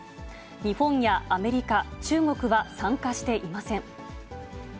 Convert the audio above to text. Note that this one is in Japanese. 日本やアメリカ、中国は参加していません。